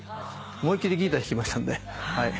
思い切りギター弾きましたんで。